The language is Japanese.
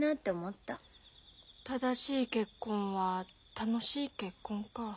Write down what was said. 正しい結婚は楽しい結婚か。